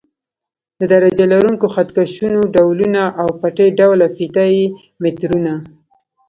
د درجه لرونکو خط کشونو ډولونه او پټۍ ډوله فیته یي مترونه.